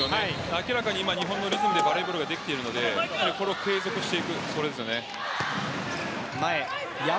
明らかに今日本のリズムでバレーボールできているのでそれを継続していくことです。